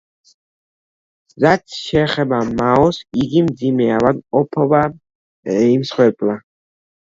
რაც შეეხება მაოს, იგი მძიმე ავადმყოფობამ იმსხვერპლა.